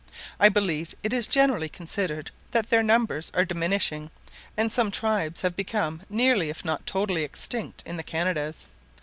I believe it is generally considered that their numbers are diminishing, and some tribes have become nearly if not totally extinct in the Canadas*.